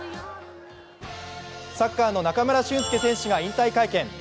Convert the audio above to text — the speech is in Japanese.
サッカーの中村俊輔選手が引退会見。